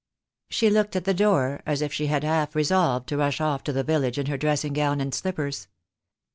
She looked at the door as if she had half resolved to rush off to the village in her dressing gown and slippers.